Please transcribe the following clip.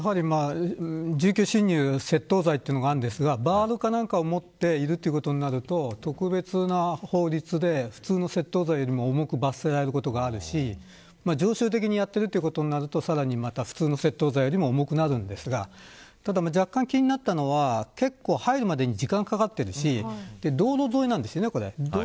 住居侵入窃盗罪というのがあるんですがバールを持っているとなると特別な法律で普通の窃盗罪よりも重く罰せられることがあるし常習的にやっているとさらに普通の窃盗罪でも重くなるんですが若干気になったのは、入るまでに時間がかかっているし道路沿いなんですよね。